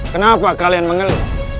kenapa kalian mengeluh